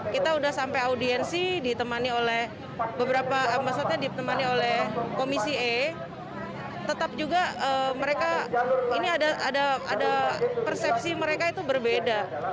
kita sudah sampai audiensi ditemani oleh komisi e tetap juga mereka ini ada persepsi mereka itu berbeda